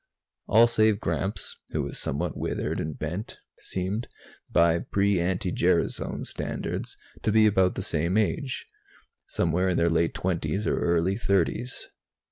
All save Gramps, who was somewhat withered and bent, seemed, by pre anti gerasone standards, to be about the same age somewhere in their late twenties or early thirties.